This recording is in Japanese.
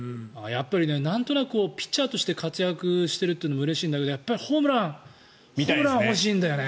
やっぱりなんとなくピッチャーとして活躍しているというのもうれしいんだけどやっぱりホームラン欲しいんだよね。